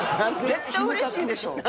絶対うれしいでしょ。